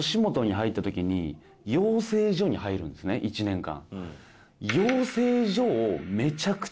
１年間。